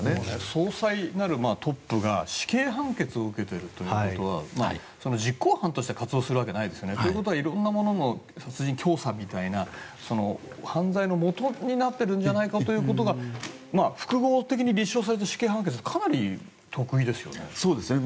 総裁なるトップが死刑判決を受けているということは実行犯として活動するわけないですよね。ということは色んなものの殺人教唆みたいな犯罪のもとになっているんじゃないかということが複合的に立証されて死刑判決はかなり特異ですよね。